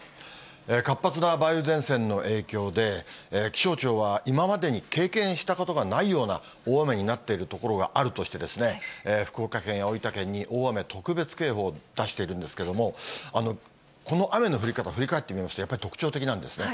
活発な梅雨前線の影響で、気象庁は、今までに経験したことがないような大雨になっている所があるとして、福岡県や大分県に大雨特別警報を出しているんですけれども、この雨の降り方、振り返ってみますと、やっぱり特徴的なんですね。